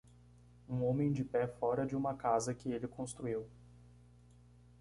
um homem de pé fora de uma casa que ele construiu